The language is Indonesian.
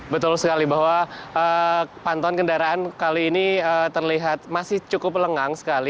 betul sekali bahwa pantauan kendaraan kali ini terlihat masih cukup lengang sekali